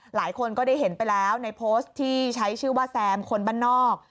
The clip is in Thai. หลายคนก็ได้เห็นไปแล้วในโพสต์ที่ใช้ชื่อว่าแซมคนบ้านนอก